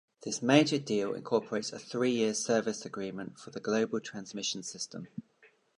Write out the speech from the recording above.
This major deal incorporates a three-year service agreement for the global transmission system.